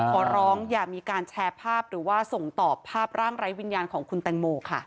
ขอร้องอย่ามีการแชร์ภาพหรือว่าส่งตอบภาพร่างไร้วิญญาณของคุณแตงโมค่ะ